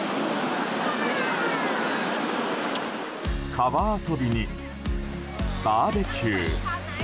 川遊びに、バーベキュー。